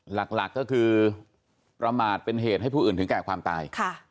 หลักก็คือประมาทเป็นเหตุให้ผู้อื่นถึงแก่ความตาย